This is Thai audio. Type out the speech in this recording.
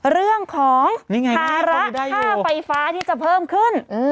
เรื่องของภาระค่าไฟฟ้าที่จะเพิ่มขึ้น